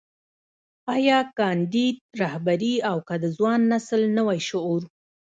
ايا کانديد رهبري او که د ځوان نسل نوی شعور.